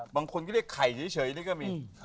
บางคนก็เรียกไข่เฉยนี่ก็มี